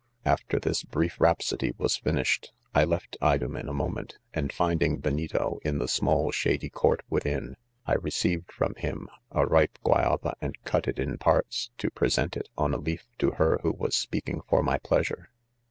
'. "After this brief rhapsody was finished, I left Idomeu a moment ■; and finding Benito in the small, shady court within, I received ;from him a ripe giiayatfa, and cut' it' in parts to pre sent it, on a leaf, to her who was speaMng for my pleasure.